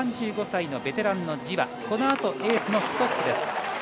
３５歳のベテランのジワ、このあとエースのストッフです。